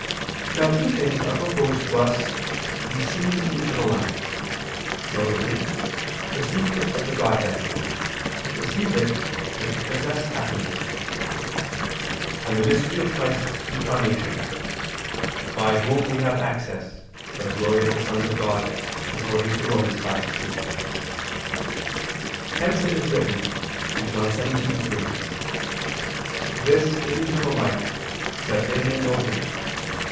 Now two things are proposed to us to be seen in eternal life: viz. the secret of the Godhead, to see which is to possess happiness; and the mystery of Christ's Incarnation, "by Whom we have access" to the glory of the sons of God, according to Rom. 5:2. Hence it is written (John 17:3): "This is eternal life: that they may know Thee, the